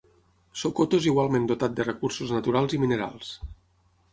Sokoto és igualment dotat de recursos naturals i minerals.